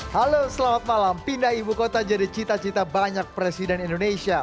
halo selamat malam pindah ibu kota jadi cita cita banyak presiden indonesia